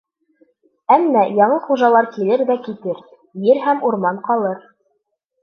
Әммә яңы хужалар килер ҙә китер, ер һәм урман ҡалыр.